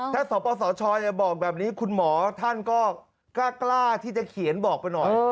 ถ้าสปสชบอกแบบนี้คุณหมอท่านก็กล้าที่จะเขียนบอกไปหน่อย